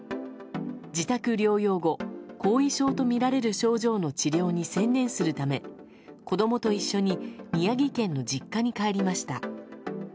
自宅療養後後遺症とみられる症状の治療に専念するため子供と一緒に宮城県の実家に帰りました。